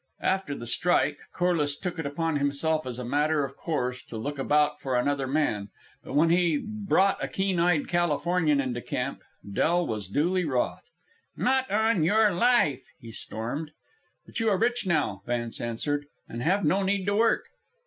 After the strike, Corliss took it upon himself as a matter of course to look about for another man; but when he brought a keen eyed Californian into camp, Del was duly wroth. "Not on your life," he stormed. "But you are rich now," Vance answered, "and have no need to work."